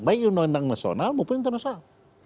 baik undang undang nasional maupun internasional